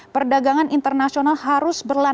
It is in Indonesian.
perdagangan internasional harus berlanjutan